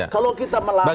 kalau kita melapor ke polisi